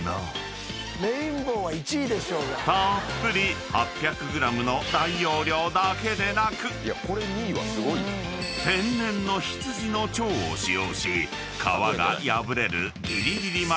［たーっぷり８００ｇの大容量だけでなく天然の羊の腸を使用し皮が破れる］